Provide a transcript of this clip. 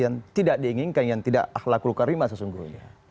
yang tidak diinginkan yang tidak ahlakul karimah sesungguhnya